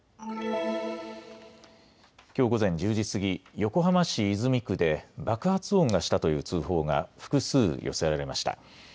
きょう午前１０時過ぎ、横浜市泉区で爆発音がしたという通報が複数、寄せられました。